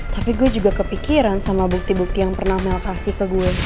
tapi gue juga kepikiran sama bukti bukti yang pernah mel kasih ke gue